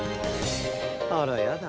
あらやだ。